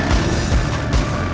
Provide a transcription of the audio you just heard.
nah black cobra